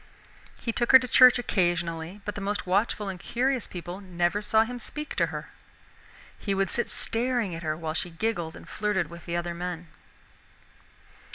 He took her to church occasionally, but the most watchful and curious people never saw him speak to her. He would sit staring at her while she giggled and flirted with the other men.